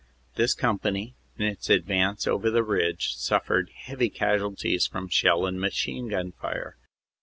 This company in its advance over the ridge suf fered heavy casualties from shell and machine gun fire.